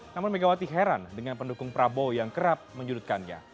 namun megawati heran dengan pendukung prabowo yang kerap menyudutkannya